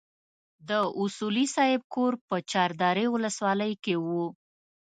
د اصولي صیب کور په چار درې ولسوالۍ کې وو.